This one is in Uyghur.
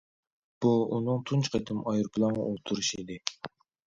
بۇ ئۇنىڭ تۇنجى قېتىم ئايروپىلانغا ئولتۇرۇشى ئىدى.